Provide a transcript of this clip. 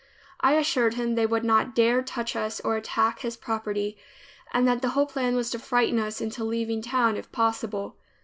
I assured him they would not dare touch us or attack his property and that the whole plan was to frighten us into leaving town, if possible.